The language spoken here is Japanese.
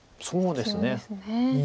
そうですね。